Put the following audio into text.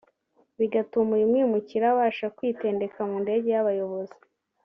bigatuma uyu mwimukira abasha kwitendeka mu ndege y’abayobozi